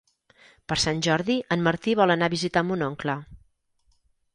Per Sant Jordi en Martí vol anar a visitar mon oncle.